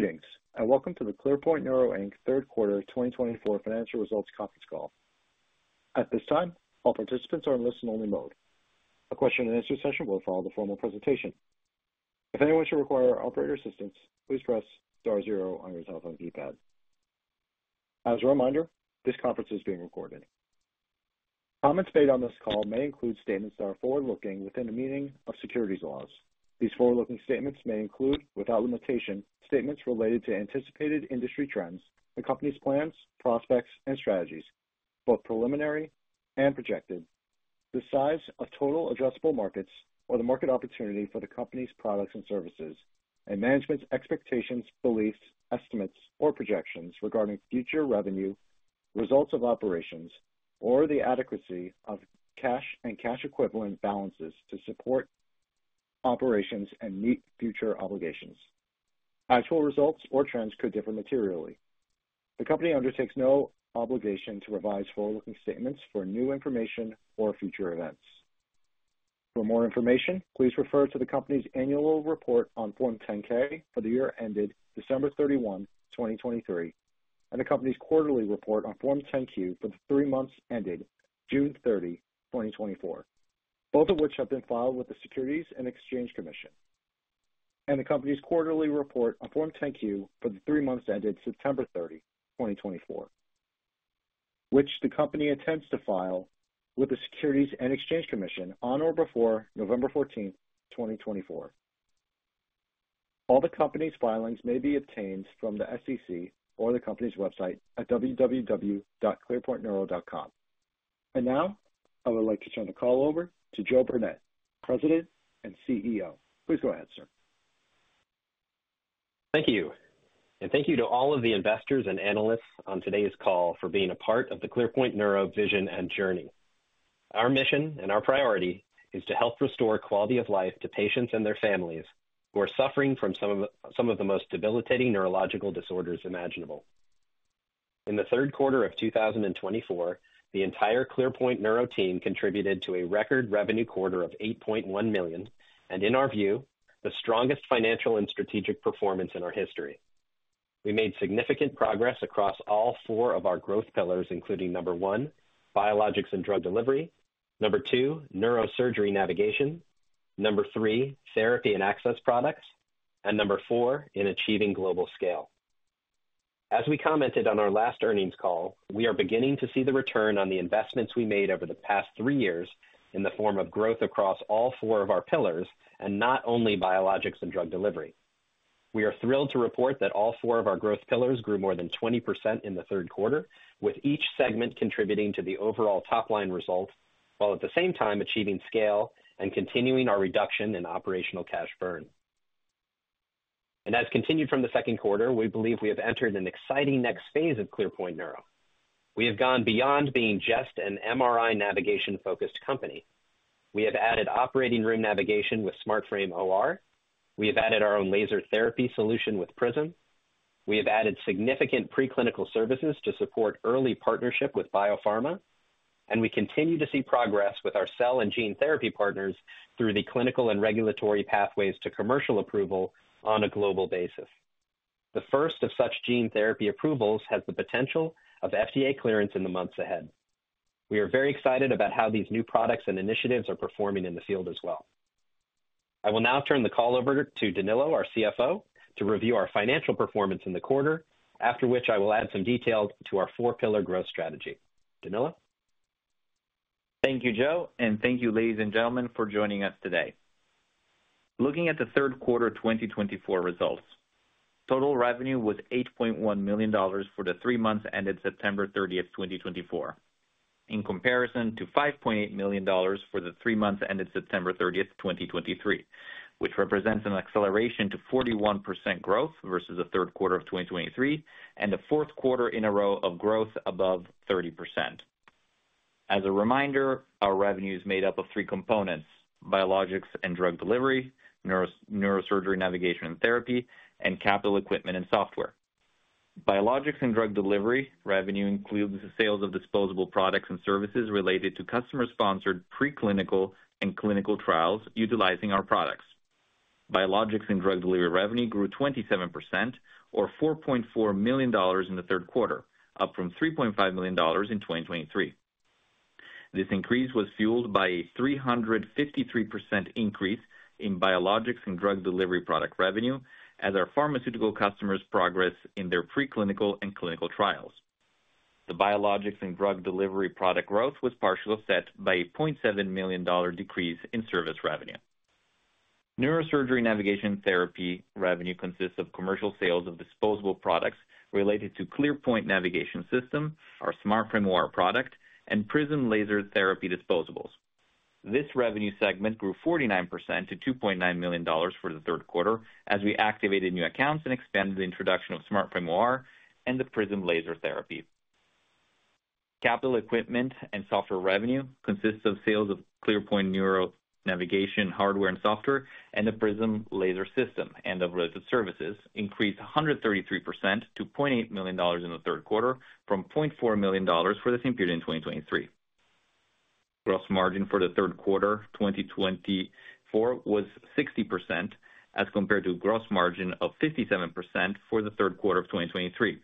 Greetings, and welcome to the ClearPoint Neuro Inc. Third Quarter 2024 Financial Results Conference Call. At this time, all participants are in listen-only mode. A question-and-answer session will follow the formal presentation. If anyone should require operator assistance, please press star zero on your telephone keypad. As a reminder, this conference is being recorded. Comments made on this call may include statements that are forward-looking within the meaning of securities laws. These forward-looking statements may include, without limitation, statements related to anticipated industry trends, the company's plans, prospects, and strategies, both preliminary and projected, the size of total addressable markets or the market opportunity for the company's products and services, and management's expectations, beliefs, estimates, or projections regarding future revenue, results of operations, or the adequacy of cash and cash-equivalent balances to support operations and meet future obligations. Actual results or trends could differ materially. The company undertakes no obligation to revise forward-looking statements for new information or future events. For more information, please refer to the company's annual report on Form 10-K for the year ended December 31, 2023, and the company's quarterly report on Form 10-Q for the three months ended June 30, 2024, both of which have been filed with the Securities and Exchange Commission, and the company's quarterly report on Form 10-Q for the three months ended September 30, 2024, which the company intends to file with the Securities and Exchange Commission on or before November 14, 2024. All the company's filings may be obtained from the SEC or the company's website at www.clearpointneuro.com. And now, I would like to turn the call over to Joe Burnett, President and CEO. Please go ahead, sir. Thank you, and thank you to all of the investors and analysts on today's call for being a part of the ClearPoint Neuro vision and journey. Our mission and our priority is to help restore quality of life to patients and their families who are suffering from some of the most debilitating neurological disorders imaginable. In the third quarter of 2024, the entire ClearPoint Neuro team contributed to a record revenue quarter of $8.1 million, and in our view, the strongest financial and strategic performance in our history. We made significant progress across all four of our growth pillars, including number one, biologics and drug delivery, number two, neurosurgery navigation, number three, therapy and access products, and number four, in achieving global scale. As we commented on our last earnings call, we are beginning to see the return on the investments we made over the past three years in the form of growth across all four of our pillars, and not only biologics and drug delivery. We are thrilled to report that all four of our growth pillars grew more than 20% in the third quarter, with each segment contributing to the overall top-line result while at the same time achieving scale and continuing our reduction in operational cash burn. And as continued from the second quarter, we believe we have entered an exciting next phase of ClearPoint Neuro. We have gone beyond being just an MRI navigation-focused company. We have added operating room navigation with SmartFrame OR. We have added our own laser therapy solution with Prism. We have added significant preclinical services to support early partnership with biopharma, and we continue to see progress with our cell and gene therapy partners through the clinical and regulatory pathways to commercial approval on a global basis. The first of such gene therapy approvals has the potential of FDA clearance in the months ahead. We are very excited about how these new products and initiatives are performing in the field as well. I will now turn the call over to Danilo, our CFO, to review our financial performance in the quarter, after which I will add some details to our four-pillar growth strategy. Danilo? Thank you, Joe, and thank you, ladies and gentlemen, for joining us today. Looking at the third quarter 2024 results, total revenue was $8.1 million for the three months ended September 30, 2024, in comparison to $5.8 million for the three months ended September 30, 2023, which represents an acceleration to 41% growth versus the third quarter of 2023 and the fourth quarter in a row of growth above 30%. As a reminder, our revenues made up of three components: biologics and drug delivery, neurosurgery navigation and therapy, and capital equipment and software. Biologics and drug delivery revenue includes the sales of disposable products and services related to customer-sponsored preclinical and clinical trials utilizing our products. Biologics and drug delivery revenue grew 27%, or $4.4 million in the third quarter, up from $3.5 million in 2023. This increase was fueled by a 353% increase in biologics and drug delivery product revenue as our pharmaceutical customers progress in their preclinical and clinical trials. The biologics and drug delivery product growth was partially offset by a $0.7 million decrease in service revenue. Neurosurgery navigation therapy revenue consists of commercial sales of disposable products related to ClearPoint Navigation System, our SmartFrame OR product, and Prism laser therapy disposables. This revenue segment grew 49% to $2.9 million for the third quarter as we activated new accounts and expanded the introduction of SmartFrame OR and the Prism laser therapy. Capital equipment and software revenue consists of sales of ClearPoint Neuro Navigation hardware and software and the Prism laser system and of related services, increased 133% to $0.8 million in the third quarter from $0.4 million for the same period in 2023. Gross margin for the third quarter 2024 was 60% as compared to a gross margin of 57% for the third quarter of 2023.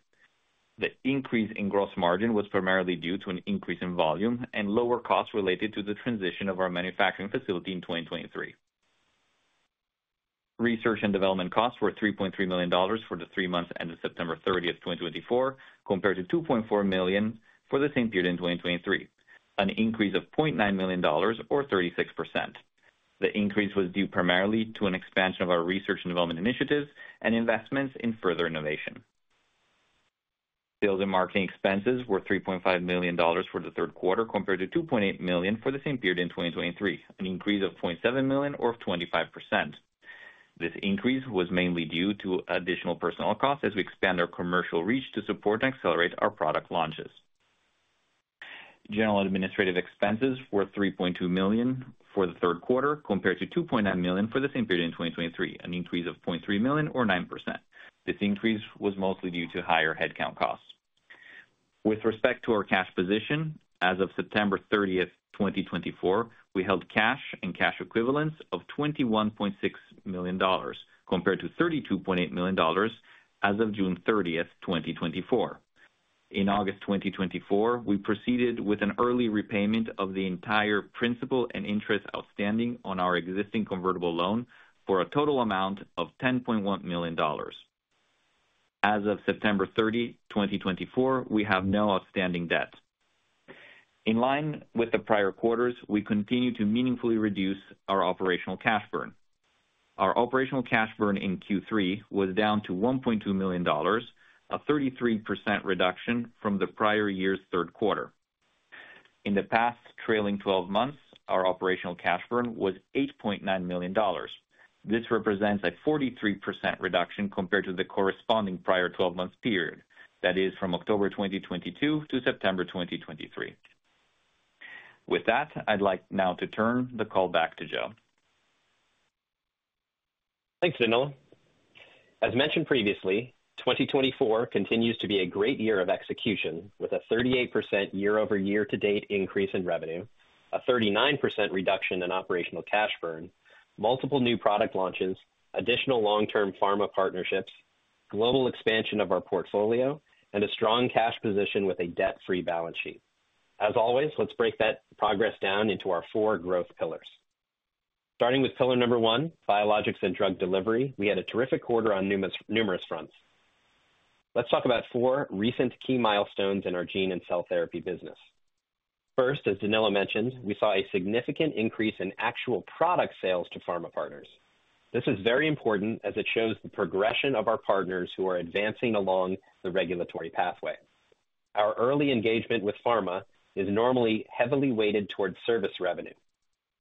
The increase in gross margin was primarily due to an increase in volume and lower costs related to the transition of our manufacturing facility in 2023. Research and development costs were $3.3 million for the three months ended September 30, 2024, compared to $2.4 million for the same period in 2023, an increase of $0.9 million, or 36%. The increase was due primarily to an expansion of our research and development initiatives and investments in further innovation. Sales and marketing expenses were $3.5 million for the third quarter compared to $2.8 million for the same period in 2023, an increase of $0.7 million, or 25%. This increase was mainly due to additional personnel costs as we expand our commercial reach to support and accelerate our product launches. General administrative expenses were $3.2 million for the third quarter compared to $2.9 million for the same period in 2023, an increase of $0.3 million, or 9%. This increase was mostly due to higher headcount costs. With respect to our cash position, as of September 30, 2024, we held cash and cash equivalents of $21.6 million compared to $32.8 million as of June 30, 2024. In August 2024, we proceeded with an early repayment of the entire principal and interest outstanding on our existing convertible loan for a total amount of $10.1 million. As of September 30, 2024, we have no outstanding debt. In line with the prior quarters, we continue to meaningfully reduce our operational cash burn. Our operational cash burn in Q3 was down to $1.2 million, a 33% reduction from the prior year's third quarter. In the past trailing 12 months, our operational cash burn was $8.9 million. This represents a 43% reduction compared to the corresponding prior 12-month period, that is, from October 2022 to September 2023. With that, I'd like now to turn the call back to Joe. Thanks, Danilo. As mentioned previously, 2024 continues to be a great year of execution with a 38% year-over-year-to-date increase in revenue, a 39% reduction in operational cash burn, multiple new product launches, additional long-term pharma partnerships, global expansion of our portfolio, and a strong cash position with a debt-free balance sheet. As always, let's break that progress down into our four growth pillars. Starting with pillar number one, biologics and drug delivery, we had a terrific quarter on numerous fronts. Let's talk about four recent key milestones in our gene and cell therapy business. First, as Danilo mentioned, we saw a significant increase in actual product sales to pharma partners. This is very important as it shows the progression of our partners who are advancing along the regulatory pathway. Our early engagement with pharma is normally heavily weighted towards service revenue.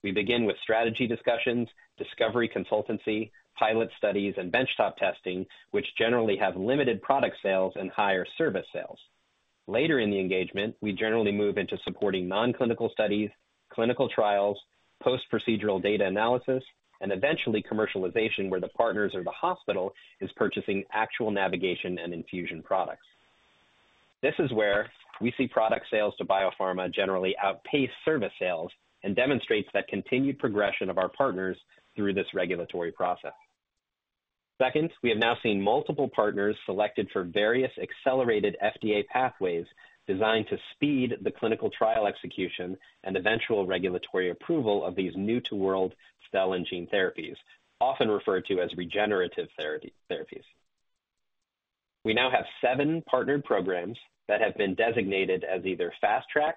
We begin with strategy discussions, discovery consultancy, pilot studies, and benchtop testing, which generally have limited product sales and higher service sales. Later in the engagement, we generally move into supporting nonclinical studies, clinical trials, post-procedural data analysis, and eventually commercialization where the partners or the hospital is purchasing actual navigation and infusion products. This is where we see product sales to biopharma generally outpace service sales and demonstrates that continued progression of our partners through this regulatory process. Second, we have now seen multiple partners selected for various accelerated FDA pathways designed to speed the clinical trial execution and eventual regulatory approval of these new-to-world cell and gene therapies, often referred to as regenerative therapies. We now have seven partnered programs that have been designated as either Fast Track,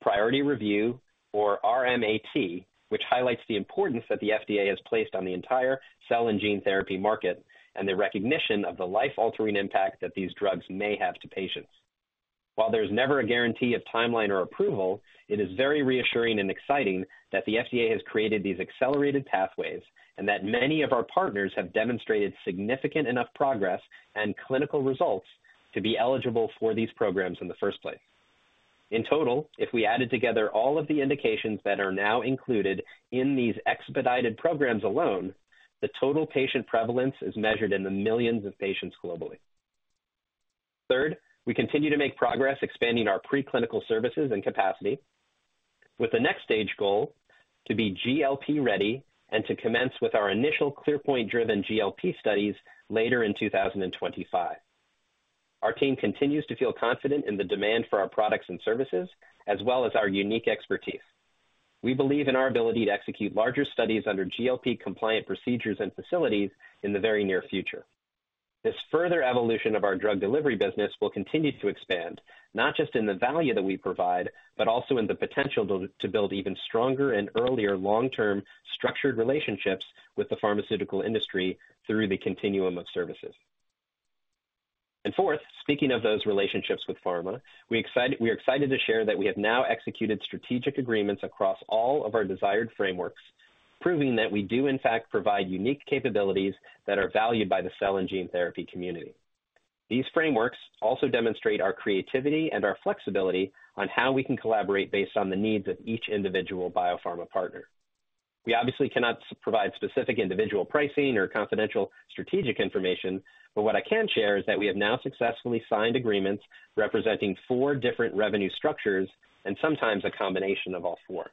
Priority Review, or RMAT, which highlights the importance that the FDA has placed on the entire cell and gene therapy market and the recognition of the life-altering impact that these drugs may have to patients. While there is never a guarantee of timeline or approval, it is very reassuring and exciting that the FDA has created these accelerated pathways and that many of our partners have demonstrated significant enough progress and clinical results to be eligible for these programs in the first place. In total, if we added together all of the indications that are now included in these expedited programs alone, the total patient prevalence is measured in the millions of patients globally. Third, we continue to make progress expanding our preclinical services and capacity with the next stage goal to be GLP-ready and to commence with our initial ClearPoint-driven GLP studies later in 2025. Our team continues to feel confident in the demand for our products and services as well as our unique expertise. We believe in our ability to execute larger studies under GLP-compliant procedures and facilities in the very near future. This further evolution of our drug delivery business will continue to expand, not just in the value that we provide, but also in the potential to build even stronger and earlier long-term structured relationships with the pharmaceutical industry through the continuum of services. And fourth, speaking of those relationships with pharma, we're excited to share that we have now executed strategic agreements across all of our desired frameworks, proving that we do, in fact, provide unique capabilities that are valued by the cell and gene therapy community. These frameworks also demonstrate our creativity and our flexibility on how we can collaborate based on the needs of each individual biopharma partner. We obviously cannot provide specific individual pricing or confidential strategic information, but what I can share is that we have now successfully signed agreements representing four different revenue structures and sometimes a combination of all four.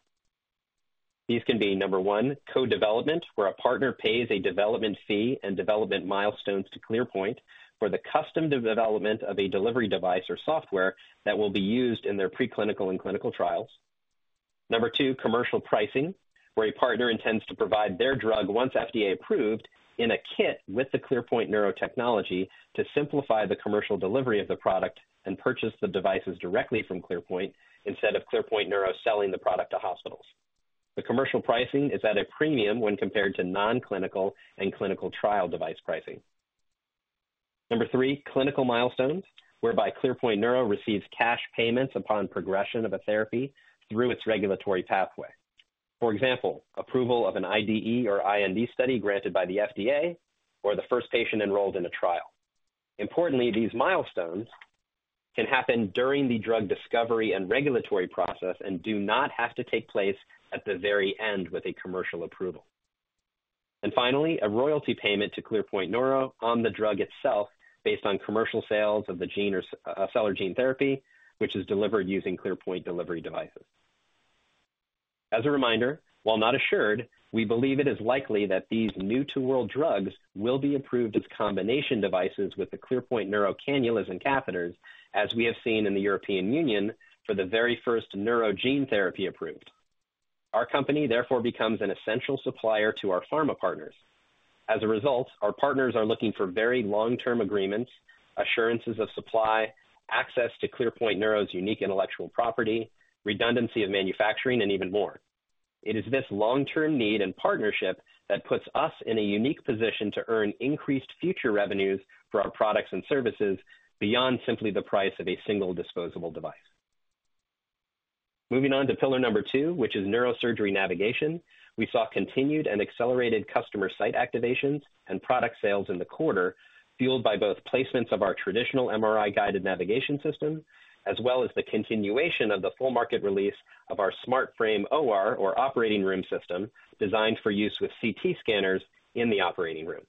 These can be, number one, co-development, where a partner pays a development fee and development milestones to ClearPoint for the custom development of a delivery device or software that will be used in their preclinical and clinical trials. Number two, commercial pricing, where a partner intends to provide their drug once FDA approved in a kit with the ClearPoint Neuro technology to simplify the commercial delivery of the product and purchase the devices directly from ClearPoint instead of ClearPoint Neuro selling the product to hospitals. The commercial pricing is at a premium when compared to nonclinical and clinical trial device pricing. Number three, clinical milestones, whereby ClearPoint Neuro receives cash payments upon progression of a therapy through its regulatory pathway. For example, approval of an IDE or IND study granted by the FDA or the first patient enrolled in a trial. Importantly, these milestones can happen during the drug discovery and regulatory process and do not have to take place at the very end with a commercial approval. Finally, a royalty payment to ClearPoint Neuro on the drug itself based on commercial sales of the cell or gene therapy, which is delivered using ClearPoint delivery devices. As a reminder, while not assured, we believe it is likely that these new-to-world drugs will be approved as combination devices with the ClearPoint Neuro cannulas and catheters, as we have seen in the European Union for the very first neuro gene therapy approved. Our company, therefore, becomes an essential supplier to our pharma partners. As a result, our partners are looking for very long-term agreements, assurances of supply, access to ClearPoint Neuro's unique intellectual property, redundancy of manufacturing, and even more. It is this long-term need and partnership that puts us in a unique position to earn increased future revenues for our products and services beyond simply the price of a single disposable device. Moving on to pillar number two, which is neurosurgery navigation, we saw continued and accelerated customer site activations and product sales in the quarter fueled by both placements of our traditional MRI-guided navigation system as well as the continuation of the full market release of our SmartFrame OR, or operating room system, designed for use with CT scanners in the operating room.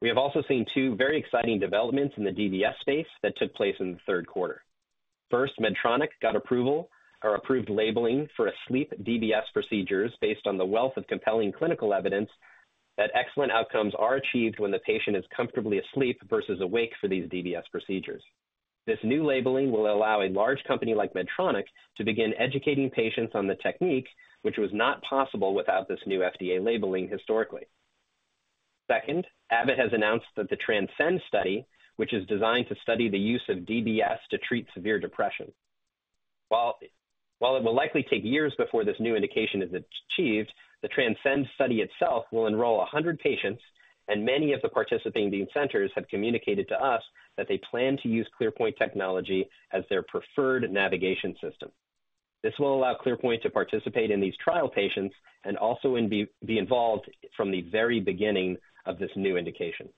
We have also seen two very exciting developments in the DBS space that took place in the third quarter. First, Medtronic got approval or approved labeling for asleep DBS procedures based on the wealth of compelling clinical evidence that excellent outcomes are achieved when the patient is comfortably asleep versus awake for these DBS procedures. This new labeling will allow a large company like Medtronic to begin educating patients on the technique, which was not possible without this new FDA labeling historically. Second, Abbott has announced that the TRANSCEND Study, which is designed to study the use of DBS to treat severe depression. While it will likely take years before this new indication is achieved, the TRANSCEND Study itself will enroll 100 patients, and many of the participating centers have communicated to us that they plan to use ClearPoint technology as their preferred navigation system. This will allow ClearPoint to participate in these trial patients and also be involved from the very beginning of this new indication.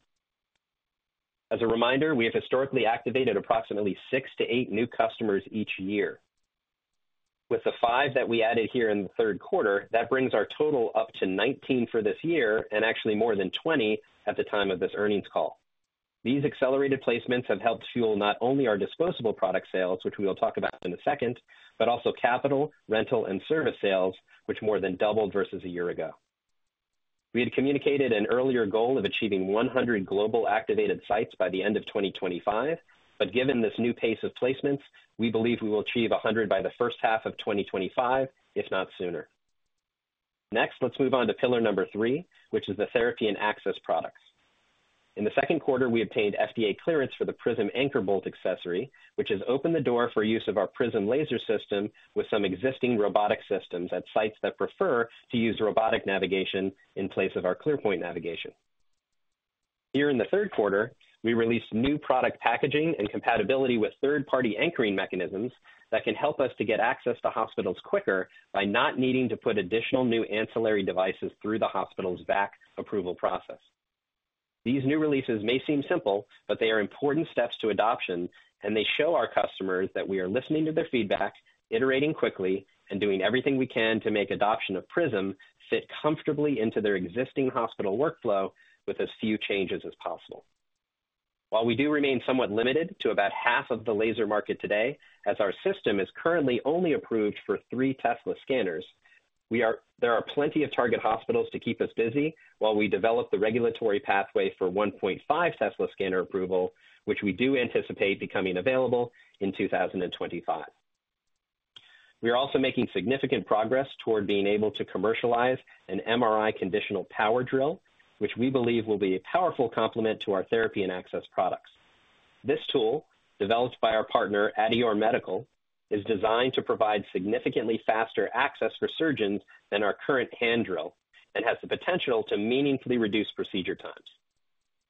As a reminder, we have historically activated approximately six to eight new customers each year. With the five that we added here in the third quarter, that brings our total up to 19 for this year and actually more than 20 at the time of this earnings call. These accelerated placements have helped fuel not only our disposable product sales, which we will talk about in a second, but also capital, rental, and service sales, which more than doubled versus a year ago. We had communicated an earlier goal of achieving 100 global activated sites by the end of 2025, but given this new pace of placements, we believe we will achieve 100 by the first half of 2025, if not sooner. Next, let's move on to pillar number three, which is the therapy and access products. In the second quarter, we obtained FDA clearance for the Prism Anchor Bolt accessory, which has opened the door for use of our Prism laser system with some existing robotic systems at sites that prefer to use robotic navigation in place of our ClearPoint navigation. Here in the third quarter, we released new product packaging and compatibility with third-party anchoring mechanisms that can help us to get access to hospitals quicker by not needing to put additional new ancillary devices through the hospital's VAC approval process. These new releases may seem simple, but they are important steps to adoption, and they show our customers that we are listening to their feedback, iterating quickly, and doing everything we can to make adoption of Prism fit comfortably into their existing hospital workflow with as few changes as possible. While we do remain somewhat limited to about half of the laser market today, as our system is currently only approved for three Tesla scanners, there are plenty of target hospitals to keep us busy while we develop the regulatory pathway for 1.5 Tesla scanner approval, which we do anticipate becoming available in 2025. We are also making significant progress toward being able to commercialize an MRI conditional power drill, which we believe will be a powerful complement to our therapy and access products. This tool, developed by our partner Adeor Medical, is designed to provide significantly faster access for surgeons than our current hand drill and has the potential to meaningfully reduce procedure times.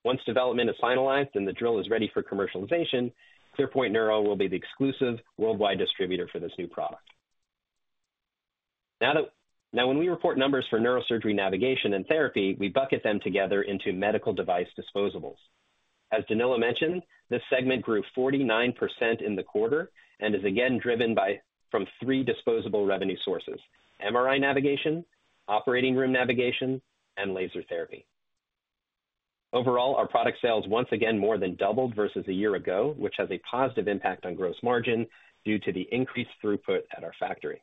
Once development is finalized and the drill is ready for commercialization, ClearPoint Neuro will be the exclusive worldwide distributor for this new product. Now, when we report numbers for neurosurgery navigation and therapy, we bucket them together into medical device disposables. As Danilo mentioned, this segment grew 49% in the quarter and is again driven from three disposable revenue sources: MRI navigation, operating room navigation, and laser therapy. Overall, our product sales once again more than doubled versus a year ago, which has a positive impact on gross margin due to the increased throughput at our factory.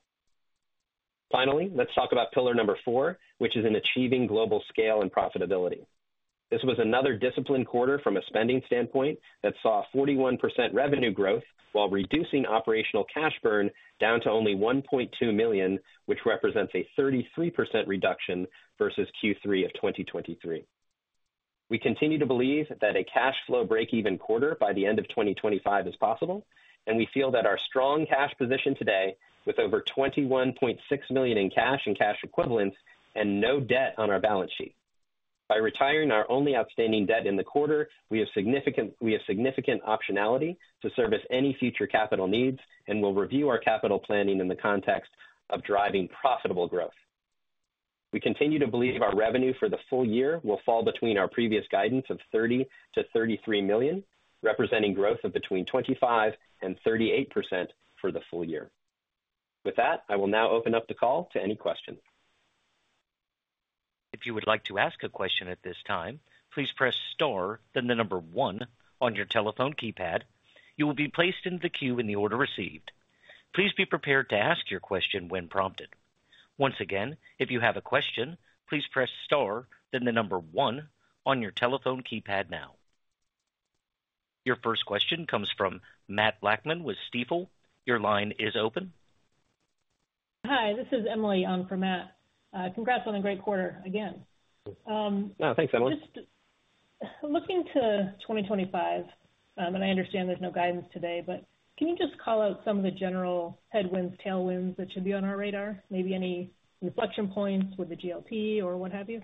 Finally, let's talk about pillar number four, which is in achieving global scale and profitability. This was another disciplined quarter from a spending standpoint that saw 41% revenue growth while reducing operational cash burn down to only $1.2 million, which represents a 33% reduction versus Q3 of 2023. We continue to believe that a cash flow break-even quarter by the end of 2025 is possible, and we feel that our strong cash position today with over $21.6 million in cash and cash equivalents and no debt on our balance sheet. By retiring our only outstanding debt in the quarter, we have significant optionality to service any future capital needs and will review our capital planning in the context of driving profitable growth. We continue to believe our revenue for the full year will fall between our previous guidance of $30 million-$33 million, representing growth of between 25%-38% for the full year. With that, I will now open up the call to any questions. If you would like to ask a question at this time, please press Star, then the number 1 on your telephone keypad. You will be placed in the queue in the order received. Please be prepared to ask your question when prompted. Once again, if you have a question, please press Star, then the number 1 on your telephone keypad now. Your first question comes from Matt Blackman with Stifel. Your line is open. Hi, this is Emily for Matt. Congrats on a great quarter again. Thanks, Emily. Just looking to 2025, and I understand there's no guidance today, but can you just call out some of the general headwinds, tailwinds that should be on our radar? Maybe any inflection points with the GLP or what have you?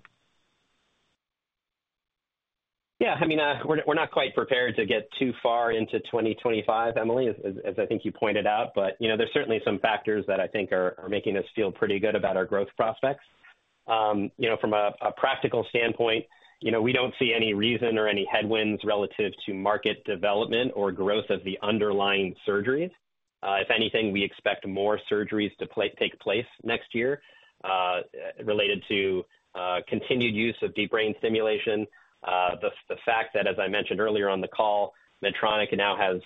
Yeah, I mean, we're not quite prepared to get too far into 2025, Emily, as I think you pointed out, but there's certainly some factors that I think are making us feel pretty good about our growth prospects. From a practical standpoint, we don't see any reason or any headwinds relative to market development or growth of the underlying surgeries. If anything, we expect more surgeries to take place next year related to continued use of Deep Brain Stimulation. The fact that, as I mentioned earlier on the call, Medtronic now has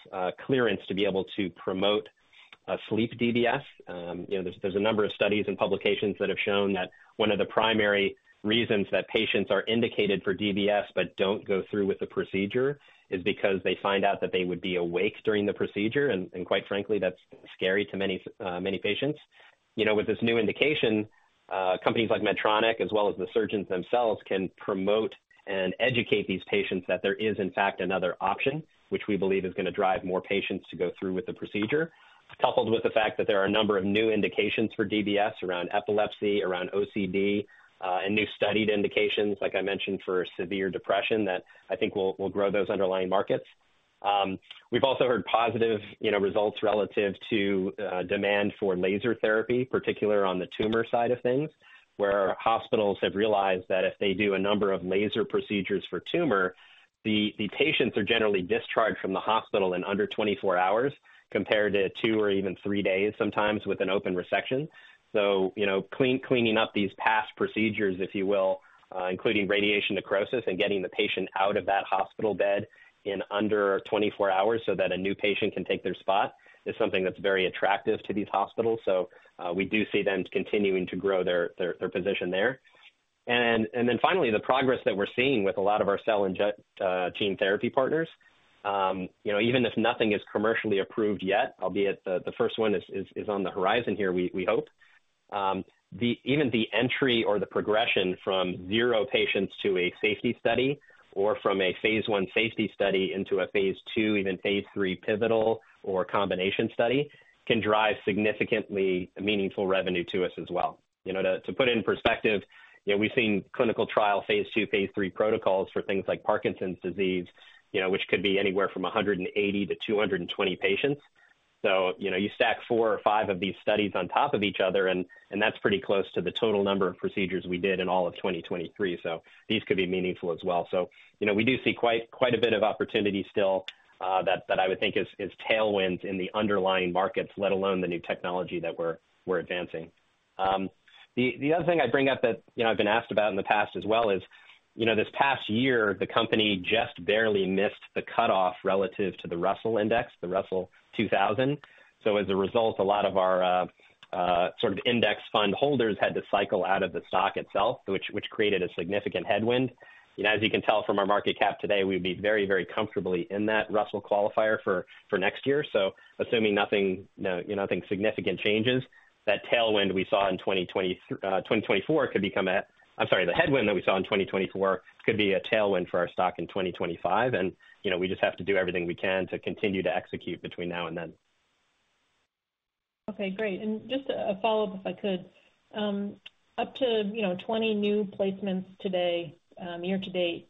clearance to be able to promote asleep DBS. There's a number of studies and publications that have shown that one of the primary reasons that patients are indicated for DBS but don't go through with the procedure is because they find out that they would be awake during the procedure, and quite frankly, that's scary to many patients. With this new indication, companies like Medtronic, as well as the surgeons themselves, can promote and educate these patients that there is, in fact, another option, which we believe is going to drive more patients to go through with the procedure, coupled with the fact that there are a number of new indications for DBS around epilepsy, around OCD, and new studied indications, like I mentioned, for severe depression that I think will grow those underlying markets. We've also heard positive results relative to demand for laser therapy, particularly on the tumor side of things, where hospitals have realized that if they do a number of laser procedures for tumor, the patients are generally discharged from the hospital in under 24 hours compared to two or even three days sometimes with an open resection, so cleaning up these past procedures, if you will, including radiation necrosis and getting the patient out of that hospital bed in under 24 hours so that a new patient can take their spot is something that's very attractive to these hospitals, so we do see them continuing to grow their position there. And then finally, the progress that we're seeing with a lot of our cell and gene therapy partners, even if nothing is commercially approved yet, albeit the first one is on the horizon here, we hope, even the entry or the progression from zero patients to a safety study or from a phase one safety study into a phase two, even phase three pivotal or combination study can drive significantly meaningful revenue to us as well. To put it in perspective, we've seen clinical trial phase two, phase three protocols for things like Parkinson's disease, which could be anywhere from 180 to 220 patients. So you stack four or five of these studies on top of each other, and that's pretty close to the total number of procedures we did in all of 2023. So these could be meaningful as well. So we do see quite a bit of opportunity still that I would think is tailwinds in the underlying markets, let alone the new technology that we're advancing. The other thing I bring up that I've been asked about in the past as well is this past year, the company just barely missed the cutoff relative to the Russell 2000 Index. So as a result, a lot of our sort of index fund holders had to cycle out of the stock itself, which created a significant headwind. As you can tell from our market cap today, we'd be very, very comfortably in that Russell qualifier for next year. So assuming nothing significant changes, that tailwind we saw in 2024 could become a, I'm sorry, the headwind that we saw in 2024 could be a tailwind for our stock in 2025. We just have to do everything we can to continue to execute between now and then. Okay, great. Just a follow-up, if I could. Up to 20 new placements today, year to date.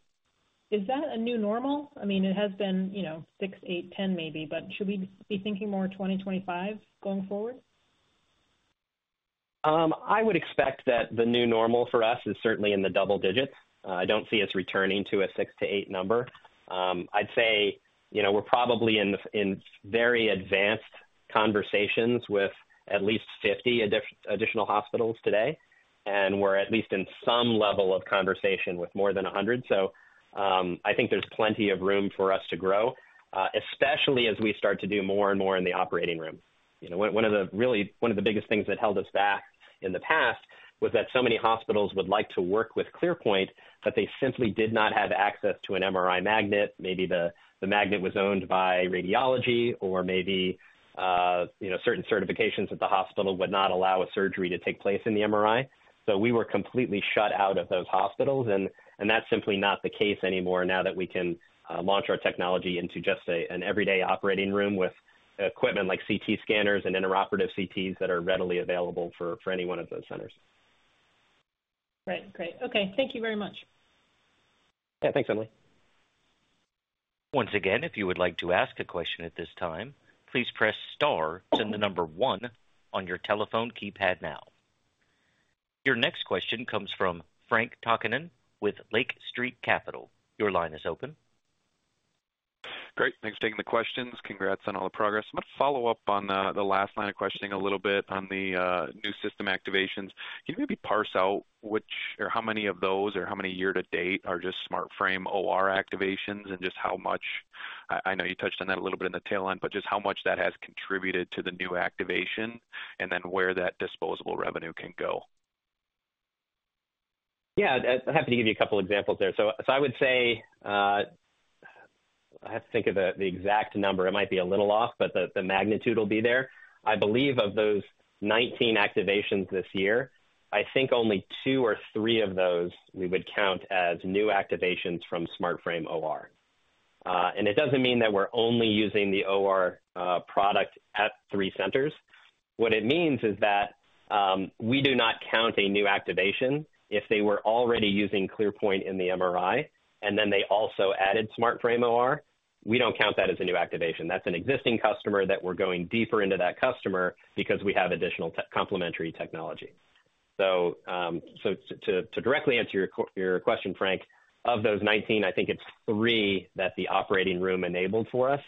Is that a new normal? I mean, it has been six, eight, 10 maybe, but should we be thinking more 2025 going forward? I would expect that the new normal for us is certainly in the double digits. I don't see us returning to a six to eight number. I'd say we're probably in very advanced conversations with at least 50 additional hospitals today, and we're at least in some level of conversation with more than 100. I think there's plenty of room for us to grow, especially as we start to do more and more in the operating room. One of the biggest things that held us back in the past was that so many hospitals would like to work with ClearPoint that they simply did not have access to an MRI magnet. Maybe the magnet was owned by radiology or maybe certain certifications at the hospital would not allow a surgery to take place in the MRI. So we were completely shut out of those hospitals, and that's simply not the case anymore now that we can launch our technology into just an everyday operating room with equipment like CT scanners and intraoperative CTs that are readily available for any one of those centers. Right, great. Okay, thank you very much. Yeah, thanks, Emily. Once again, if you would like to ask a question at this time, please press Star and the number One on your telephone keypad now. Your next question comes from Frank Takkinen with Lake Street Capital Markets. Your line is open. Great. Thanks for taking the questions. Congrats on all the progress. I'm going to follow up on the last line of questioning a little bit on the new system activations. Can you maybe parse out how many of those or how many year to date are just SmartFrame OR activations and just how much, I know you touched on that a little bit in the tail end, but just how much that has contributed to the new activation and then where that disposable revenue can go? Yeah, I'm happy to give you a couple of examples there. So I would say I have to think of the exact number. It might be a little off, but the magnitude will be there. I believe of those 19 activations this year, I think only two or three of those we would count as new activations from SmartFrame OR, and it doesn't mean that we're only using the OR product at three centers. What it means is that we do not count a new activation if they were already using ClearPoint in the MRI and then they also added SmartFrame OR. We don't count that as a new activation. That's an existing customer that we're going deeper into that customer because we have additional complementary technology, so to directly answer your question, Frank, of those 19, I think it's three that the operating room enabled for us,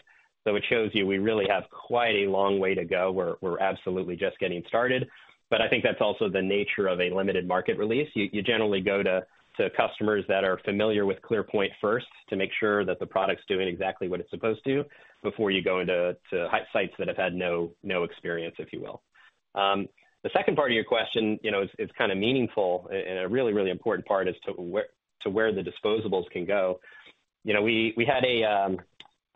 so it shows you we really have quite a long way to go. We're absolutely just getting started, but I think that's also the nature of a limited market release. You generally go to customers that are familiar with ClearPoint first to make sure that the product's doing exactly what it's supposed to before you go into sites that have had no experience, if you will. The second part of your question is kind of meaningful, and a really, really important part is to where the disposables can go. We had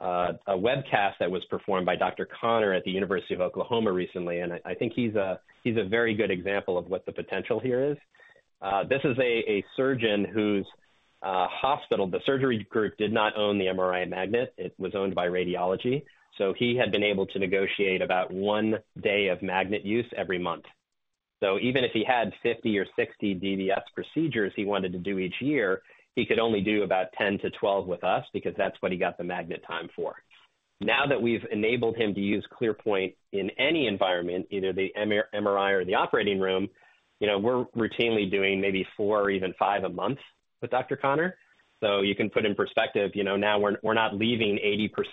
a webcast that was performed by Dr. Conner at the University of Oklahoma recently, and I think he's a very good example of what the potential here is. This is a surgeon whose hospital, the surgery group did not own the MRI magnet. It was owned by radiology. So he had been able to negotiate about one day of magnet use every month. So even if he had 50 or 60 DBS procedures he wanted to do each year, he could only do about 10 to 12 with us because that's what he got the magnet time for. Now that we've enabled him to use ClearPoint in any environment, either the MRI or the operating room, we're routinely doing maybe four or even five a month with Dr. Conner. So you can put in perspective, now we're not leaving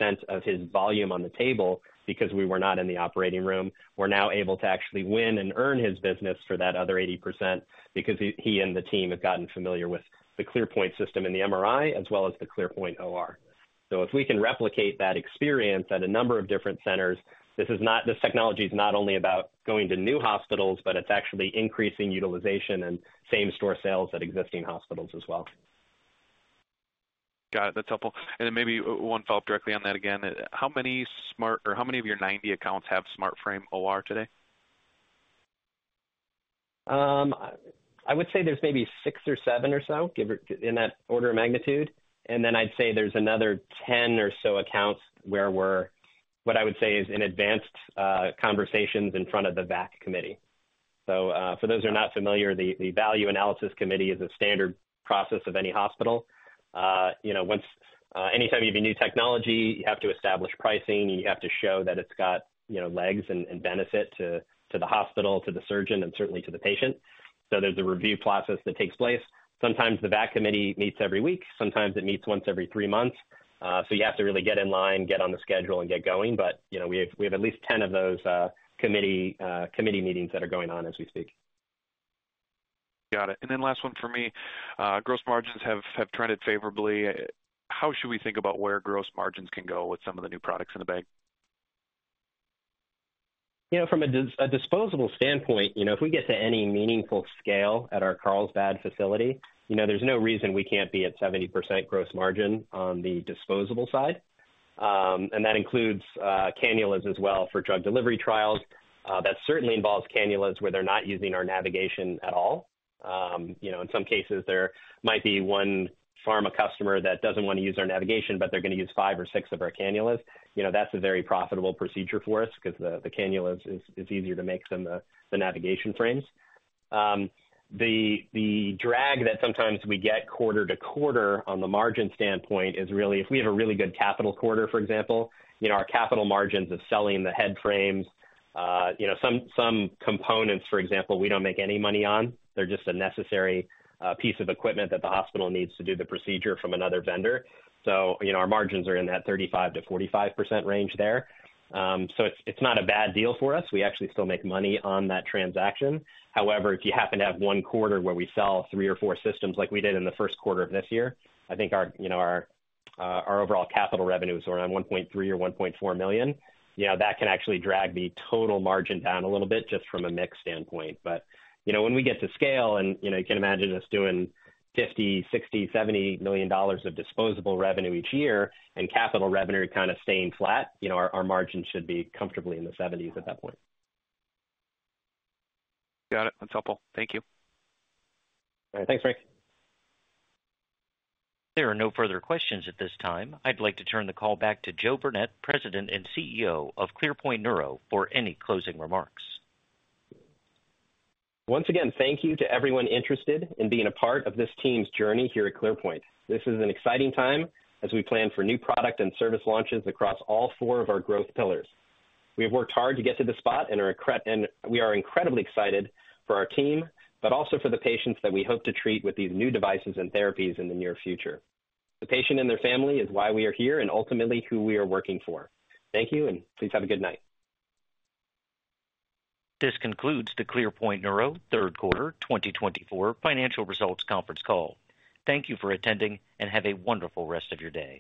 80% of his volume on the table because we were not in the operating room. We're now able to actually win and earn his business for that other 80% because he and the team have gotten familiar with the ClearPoint system in the MRI as well as the ClearPoint OR. So if we can replicate that experience at a number of different centers, this technology is not only about going to new hospitals, but it's actually increasing utilization and same-store sales at existing hospitals as well. Got it. That's helpful. And maybe one follow-up directly on that again. How many of your 90 accounts have SmartFrame OR today? I would say there's maybe six or seven or so in that order of magnitude. And then I'd say there's another 10 or so accounts where we're, what I would say is in advanced conversations in front of the VAC committee. So for those who are not familiar, the value analysis committee is a standard process of any hospital. Anytime you have a new technology, you have to establish pricing, and you have to show that it's got legs and benefit to the hospital, to the surgeon, and certainly to the patient. So there's a review process that takes place. Sometimes the VAC committee meets every week. Sometimes it meets once every three months. So you have to really get in line, get on the schedule, and get going. But we have at least 10 of those committee meetings that are going on as we speak. Got it. And then last one for me. Gross margins have trended favorably. How should we think about where gross margins can go with some of the new products in the bank? From a disposable standpoint, if we get to any meaningful scale at our Carlsbad facility, there's no reason we can't be at 70% gross margin on the disposable side. And that includes cannulas as well for drug delivery trials. That certainly involves cannulas where they're not using our navigation at all. In some cases, there might be one pharma customer that doesn't want to use our navigation, but they're going to use five or six of our cannulas. That's a very profitable procedure for us because the cannulas is easier to make than the navigation frames. The drag that sometimes we get quarter to quarter on the margin standpoint is really if we have a really good capital quarter, for example, our capital margins of selling the head frames, some components, for example, we don't make any money on. They're just a necessary piece of equipment that the hospital needs to do the procedure from another vendor. So our margins are in that 35%-45% range there. So it's not a bad deal for us. We actually still make money on that transaction. However, if you happen to have one quarter where we sell three or four systems like we did in the first quarter of this year, I think our overall capital revenues are around $1.3 million or $1.4 million. That can actually drag the total margin down a little bit just from a mix standpoint. But when we get to scale, and you can imagine us doing $50 million, $60 million, $70 million of disposable revenue each year and capital revenue kind of staying flat, our margin should be comfortably in the 70s% at that point. Got it. That's helpful. Thank you. All right. Thanks, Frank. There are no further questions at this time. I'd like to turn the call back to Joe Burnett, President and CEO of ClearPoint Neuro, for any closing remarks. Once again, thank you to everyone interested in being a part of this team's journey here at ClearPoint. This is an exciting time as we plan for new product and service launches across all four of our growth pillars. We have worked hard to get to this spot, and we are incredibly excited for our team, but also for the patients that we hope to treat with these new devices and therapies in the near future. The patient and their family is why we are here and ultimately who we are working for. Thank you, and please have a good night. This concludes the ClearPoint Neuro Third Quarter 2024 Financial Results Conference Call. Thank you for attending and have a wonderful rest of your day.